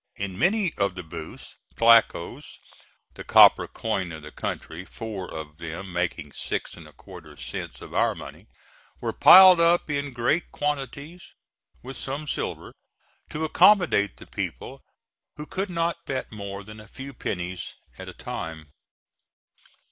In many of the booths tlackos the copper coin of the country, four of them making six and a quarter cents of our money were piled up in great quantities, with some silver, to accommodate the people who could not bet more than a few pennies at a time.